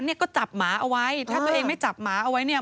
เนี่ยก็จับหมาเอาไว้ถ้าตัวเองไม่จับหมาเอาไว้เนี่ย